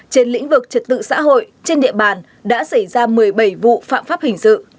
trên lĩnh vực trật tự xã hội trên địa bàn đã xảy ra một mươi bảy vụ phạm pháp hình sự